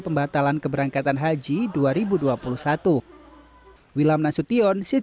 pembatalan keberangkatan haji dua ribu dua puluh satu